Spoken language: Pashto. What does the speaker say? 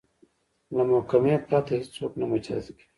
له محاکمې پرته هیڅوک نه مجازات کیږي.